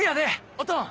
おとん！